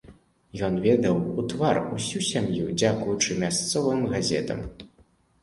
Ён ведаў у твар усю сям'ю, дзякуючы мясцовым газетам.